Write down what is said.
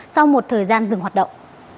sau một thời gian dừng hoạt động